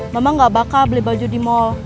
mama nggak bakal beli baju di mall